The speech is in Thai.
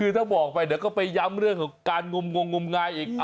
ถ้าบอกไปเนี่ยก็ไปย้ำเรื่องของการงมงงงงง่ายอีก